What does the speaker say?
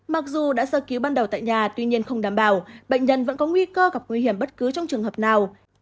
mặc dù đã sơ cứu ban đầu tại nhà tuy nhiên không đảm bảo bệnh nhân vẫn có nguy cơ gặp nguy hiểm bất cứ trong trường hợp nào